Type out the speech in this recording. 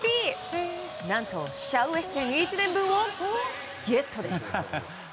何とシャウエッセン１年分をゲットです。